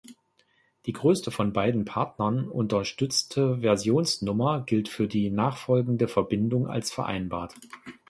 Die größte von beiden Partnern unterstützte Versionsnummer gilt für die nachfolgende Verbindung als vereinbart.